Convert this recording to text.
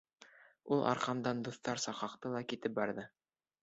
Ул арҡамдан дуҫтарса ҡаҡты ла китеп барҙы.